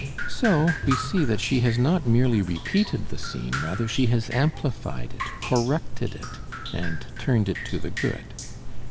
So we see that she has not merely repeated the scene, rather she has amplified it, corrected it and "turned it to the good."